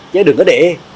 chứ đừng có để